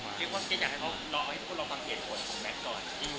คุณคิดว่าอยากให้เขารอให้ทุกคนรอความเหตุผลของแมทก่อน